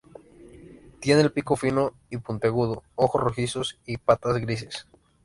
Tiene el pico fino y puntiagudo, ojos rojizos y patas grises.